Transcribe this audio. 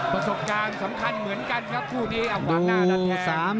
ประสบการณ์สำคัญเหมือนกันครับคู่ที่อาหว่างหน้าดันแทงอู้วสาม